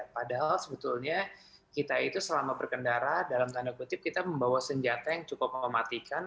padahal sebetulnya kita itu selama berkendara dalam tanda kutip kita membawa senjata yang cukup mematikan